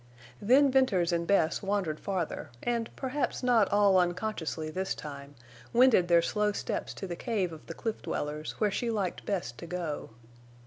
Then Venters and Bess wandered farther, and, perhaps not all unconsciously this time, wended their slow steps to the cave of the cliff dwellers, where she liked best to go.